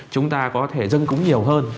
chúng ta có thể dân cúng nhiều hơn